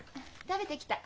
食べてきた。